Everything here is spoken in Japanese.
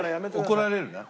怒られるね。